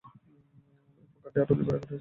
এরপর গানটি আরও দুবার রেকর্ড হয়েছে।